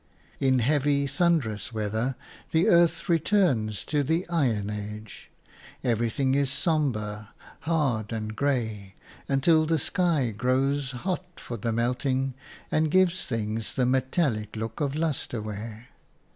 In heavy, thunderous weather the earth returns to the iron age; everything is sombre, hard and grey until the sky grows hot for the melting and gives things the metallic look of lustre ware.